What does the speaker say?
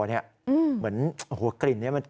เหมือนกลิ่นนี้